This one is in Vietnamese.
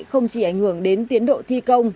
không chỉ ảnh hưởng đến tiến độ thi công